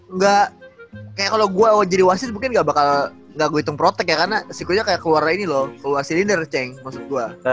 enggak kayak kalo gue jadi wasit mungkin gak bakal gak gue hitung protect ya karena sikutnya kayak keluarnya ini loh keluar silinder cenk maksud gue